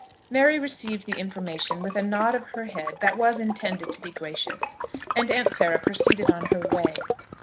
Mary received the information with a nod of her head that was intended to be gracious, and Aunt Sarah proceeded on her way.